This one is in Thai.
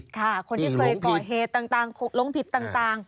ค่ะคนที่เคยก่อเหตุต่างลงผิดต่าง